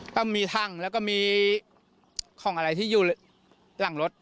ก็มีถังแล้วก็มีของอะไรที่อยู่หลังรถ